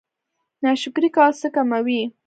ناشکري کول څه کموي؟